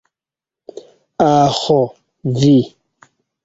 Aĥ, vi.